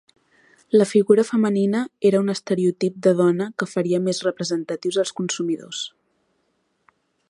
La figura femenina era un estereotip de dona que faria més representatius als consumidors.